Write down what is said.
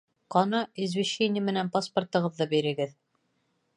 Ҡана, извещение менән паспортығыҙҙы бирегеҙ